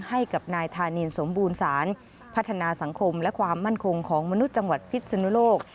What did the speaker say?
ให้กับนายธานินสมบูรณ์ศาลพัฒนาสังคมและความมั่นคงของมนุษย์จังหวัดพิษนุโลก